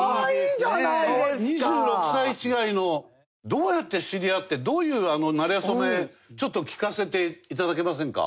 どうやって知り合ってどういうなれ初めちょっと聞かせて頂けませんか？